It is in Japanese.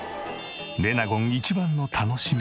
レナゴン一番の楽しみ